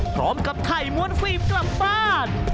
พร้อมกับไถ่มวลฟีบกลับบ้าน